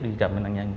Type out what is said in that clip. đi cầm với nạn nhân